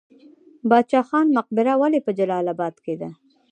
باچا خان مقبره ولې په جلال اباد کې ده؟